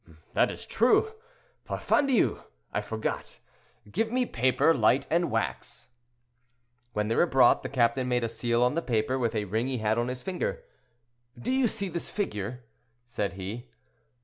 "That is true; parfandious! I forgot. Give me paper, light, and wax." When they were brought, the captain made a seal on the paper with a ring he had on his finger. "Do you see this figure?" said he.